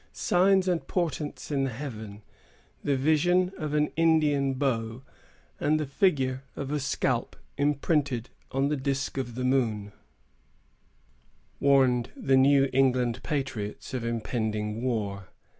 Signs and portents in the heavens, the vision of an Indian bow, and the figure of a scalp imprinted on the disk of the moon, warned the New England Puritans of impending war.